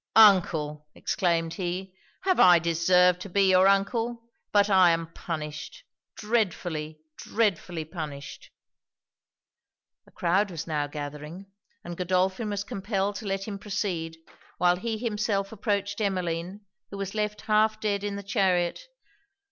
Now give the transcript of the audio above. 'Uncle!' exclaimed he. 'Have I deserved to be your uncle? But I am punished dreadfully, dreadfully punished!' A croud was now gathering; and Godolphin was compelled to let him proceed; while he himself approached Emmeline, who was left half dead in the chariot.